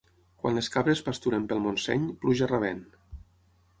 Quan les cabres pasturen pel Montseny, pluja rabent.